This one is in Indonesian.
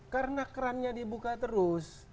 karena kerannya dibuka terus